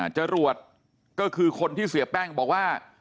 จรวดก็คือคนที่เสียแป้งบอกว่า